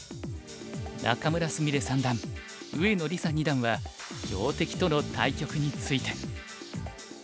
仲邑菫三段上野梨紗二段は強敵との対局について。